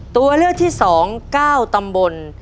ตัวเลือกที่๒๙ตำบล